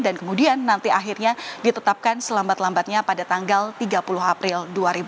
dan kemudian nanti akhirnya ditetapkan selambat lambatnya pada tanggal tiga puluh april dua ribu dua puluh empat